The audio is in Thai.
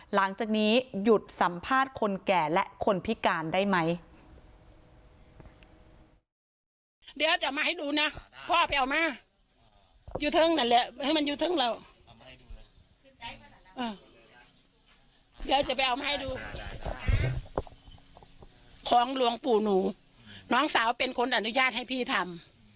หลังจากนี้หยุดสัมภาษณ์คนแก่และคนพิการได้ไหม